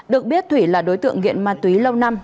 được biết thủy là đối tượng nghiện ma túy lâu năm